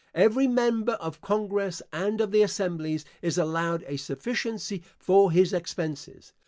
Every member of Congress, and of the Assemblies, is allowed a sufficiency for his expenses.